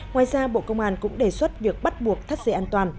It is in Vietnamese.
ngoài ra bộ công an cũng đề xuất việc bắt buộc thắt dây an toàn